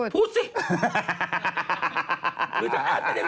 พูด